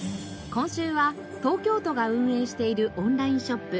今週は東京都が運営しているオンラインショップ